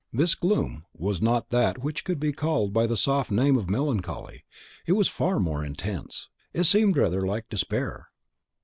This gloom was not that which could be called by the soft name of melancholy, it was far more intense; it seemed rather like despair.